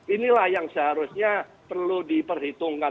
inilah yang seharusnya perlu diperhitungkan